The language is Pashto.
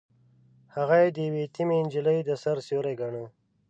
هغه يې د يوې يتيمې نجلۍ د سر سيوری ګاڼه.